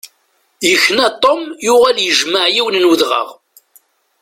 Yekna Tom yuɣal yejmeɛ yiwen n udɣaɣ.